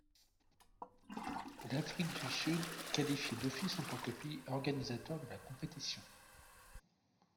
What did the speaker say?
L'Afrique du Sud est qualifiée d'office en tant que pays organisateur de la compétition.